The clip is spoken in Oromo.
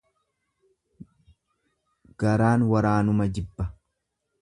Garaan waraanuma jibba.